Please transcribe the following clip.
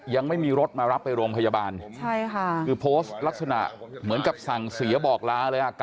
ยังไม่มีรถมารับไปโรงพยาบาลใช่ค่ะคือโพสต์ลักษณะเหมือนกับสั่งเสียบอกลาเลยอ่ะ